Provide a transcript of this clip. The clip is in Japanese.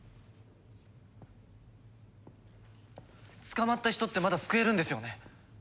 捕まった人ってまだ救えるんですよね？